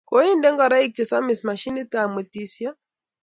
Koinde ngoroik che samis machinit ap mwetisyo.